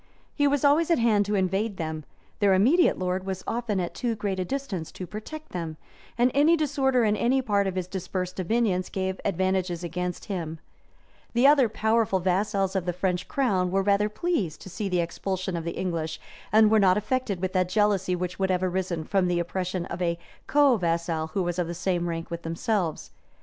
He was always at hand to invade them; their immediate lord was often at too great a distance to protect them; and any disorder in any part of his dispersed dominions gave advantages against him The other powerful vassals of the French crown were rather pleased to see the expulsion of the English, and were not affected with that jealousy which would have arisen from the oppression of a co vassal who was of the same rank with themselves.